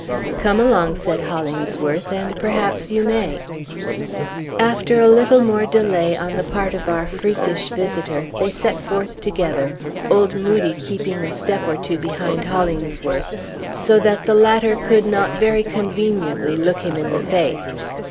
"Come along," said Hollingsworth, "and perhaps you may." After a little more delay on the part of our freakish visitor, they set forth together, old Moodie keeping a step or two behind Hollingsworth, so that the latter could not very conveniently look him in the face.